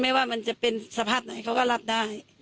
ว่ามันจะเป็นสภาพไหนเขาก็รับได้